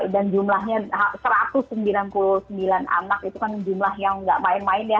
dan jumlahnya satu ratus sembilan puluh sembilan anak itu kan jumlah yang gak main main ya